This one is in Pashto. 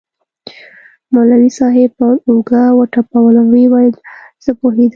مولوي صاحب پر اوږه وټپولوم ويې ويل زه پوهېدم.